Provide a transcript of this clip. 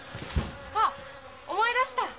「あっ思い出した！」